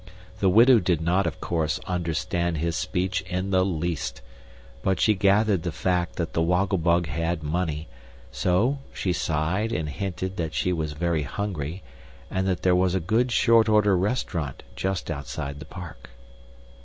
The widow did not, of course, understand his speech in the least; but she gathered the fact that the Woggle Bug had id money, so she sighed and hinted that she was very hungry, and that there was a good short order restaurant just outside the park.